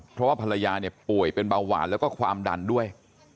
เพราะว่าภรรยาเนี่ยป่วยเป็นเบาหวานแล้วก็ความดันด้วย